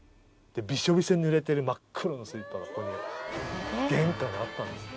ビショビショにぬれてる真っ黒のスリッパが玄関にあったんですって。